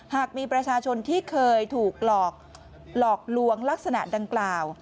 หากมีประชาชนที่เคยถูกหลอกหลอกลวงลักษณะดังกล่าว